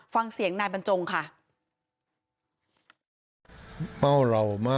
ฟังเสียงนายบรรจงค่ะ